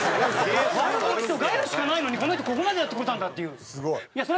悪口とガヤしかないのにこの人ここまでやってこれたんだっていう。